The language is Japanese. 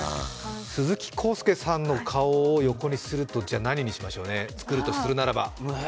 鈴木浩介さんの顔を横にすると何になるでしょうね、作るとするならば。